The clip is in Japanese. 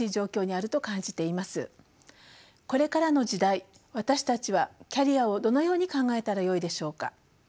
これからの時代私たちはキャリアをどのように考えたらよいでしょうか。